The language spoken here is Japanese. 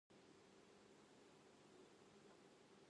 さすがに寒すぎる